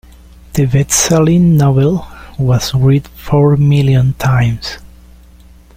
The bestselling novel was read four million times.